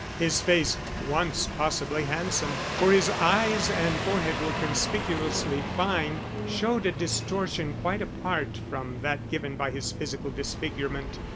His face, once possibly handsome, for his eyes and forehead were conspicuously fine, showed a distortion quite apart from that given by his physical disfigurement.